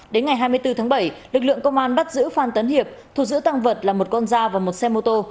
đến ngày hai mươi bốn tháng bảy lực lượng công an bắt giữ phan tấn hiệp thù giữ tăng vật là một con dao và một xe mô tô